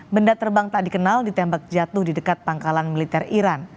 benda terbang tak dikenal ditembak jatuh di dekat pangkalan militer iran